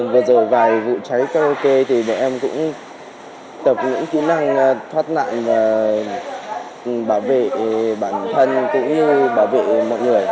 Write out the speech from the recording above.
vừa rồi vào vụ cháy karaoke thì nhà em cũng tập những kỹ năng thoát nạn và bảo vệ bản thân cũng như bảo vệ mọi người